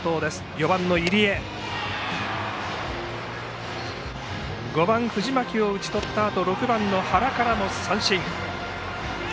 ４番の入江５番、藤巻を打ち取ったあと６番の原からも三振。